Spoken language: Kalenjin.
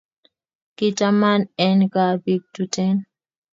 Kitaman en kaa pik Tuten